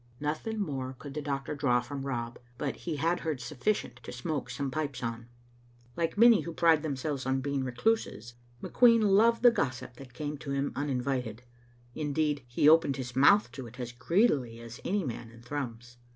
Nothing more could the doctor draw from Rob, but he had heard sufficient to smoke some pipes on. Like many who pride themselves on being recluses, McQueen loved the gossip that came to him uninvited ; indeed, he opened his mouth to it as greedily as any man in Thrums.